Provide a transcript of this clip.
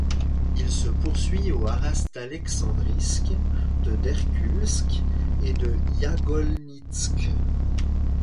Il se poursuit aux haras d'Aleksandriisk, de Derkulsk et de Yagolnitsk.